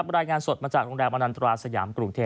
รายงานสดมาจากโรงแรมอนันตราสยามกรุงเทพ